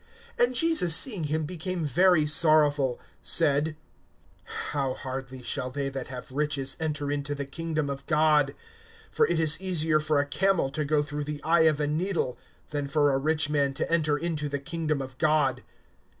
(24)And Jesus seeing him became very sorrowful, said: How hardly shall they that have riches enter into the kingdom of God! (25)For it is easier for a camel to go through the eye of a needle, than for a rich man to enter into the kingdom of God.